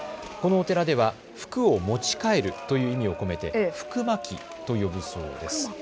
このお寺では福を持ち帰るという意味を込めて福まきと呼ぶそうです。